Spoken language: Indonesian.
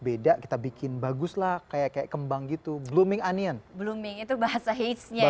beda kita bikin baguslah kayak kembang gitu blooming onion blooming itu bahasa hitsnya